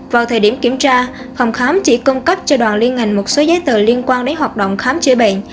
vào thời điểm kiểm tra phòng khám chỉ cung cấp cho đoàn liên hành một số giấy tờ liên quan đến hoạt động khám chữa bệnh